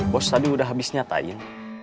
boss tadi sudah habis nyatain